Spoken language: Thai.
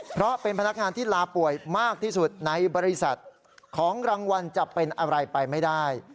เพราะเป็นพนักงานที่ลาป่วยมากที่สุดในบริษัทของรางวัลจะเป็นอะไรไปไม่ได้